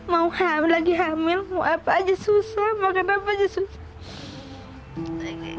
mau hamil lagi hamil mau apa aja susah makan apa aja susah